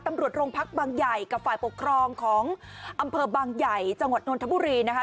ตำรวจโรงพักบางใหญ่กับฝ่ายปกครองของอำเภอบางใหญ่จังหวัดนทบุรีนะคะ